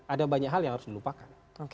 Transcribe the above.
ada banyak hal yang harus dilupakan